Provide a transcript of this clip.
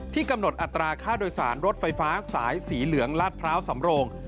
กำหนดอัตราค่าโดยสารรถไฟฟ้าสายสีเหลืองลาดพร้าวสำโรง